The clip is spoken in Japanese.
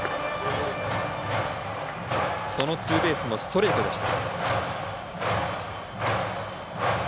そのツーベースもストレートでした。